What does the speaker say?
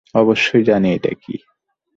অবশ্যই জানি এটা কী।